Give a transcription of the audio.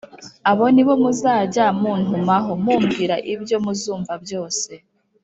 Abo ni bo muzajya muntumaho, mumbwira ibyo muzumva byose.